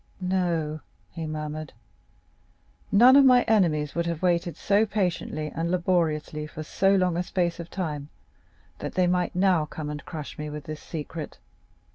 "No," he murmured, "none of my enemies would have waited so patiently and laboriously for so long a space of time, that they might now come and crush me with this secret.